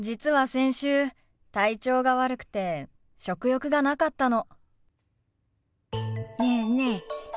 先週体調が悪くて食欲がなかったの。